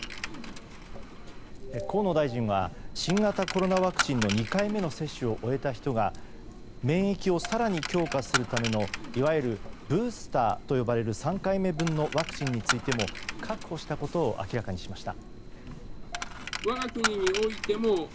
河野大臣は新型コロナワクチンの２回目の接種を終えた人が免疫を更に強化するためのいわゆるブースターと呼ばれる３回目分のワクチンについても確保したことを明らかにしました。